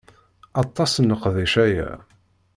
Aṭas n leqdic aya.